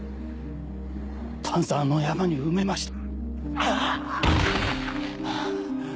丹沢の山に埋めました。